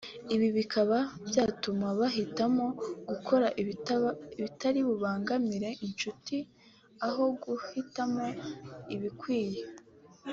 ibi bikaba byatuma bahitamo gukora ibitari bubangamire inshuti aho guhitamo ibikwiye